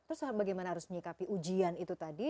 terus bagaimana harus menyikapi ujian itu tadi